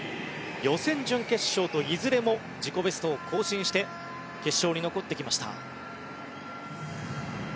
予選、準決勝といずれも自己ベストを更新して決勝に残ってきました。